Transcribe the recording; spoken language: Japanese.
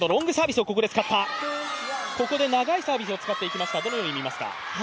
ここで長いサービスを使っていきました、どのように見ますか？